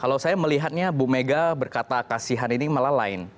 kalau saya melihatnya bu mega berkata kasihan ini malah lain